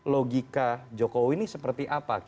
logika jokowi ini seperti apa